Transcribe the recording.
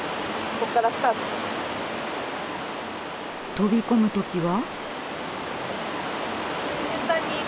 飛び込む時は？